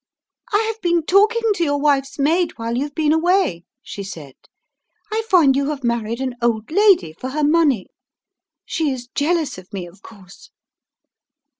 "I have been talking to your wife's maid while you have been away," she said. "I find you have married an old lady for her money. She is jealous of me, of course?"